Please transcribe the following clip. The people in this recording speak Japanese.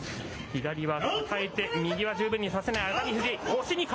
左は抱えて、右は十分にさせない。